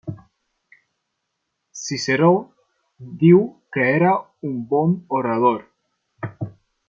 Ciceró diu que era un bon orador.